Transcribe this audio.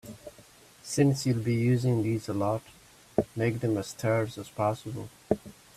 Since you'll be using these a lot, make them as terse as possible.